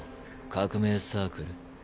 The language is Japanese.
革命サークル。